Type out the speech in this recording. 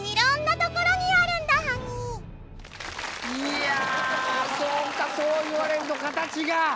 いやそうかそう言われると形が！